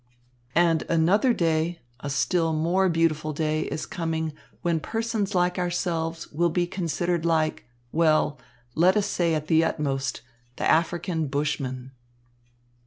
"And another day, a still more beautiful day, is coming when persons like ourselves will be considered like, well, let us say at the utmost, the African Bushmen."